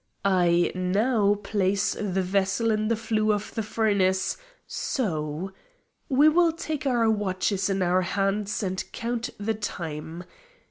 I now place the vessel in the flue of the furnace so. We will take our watches in our hands and count the time.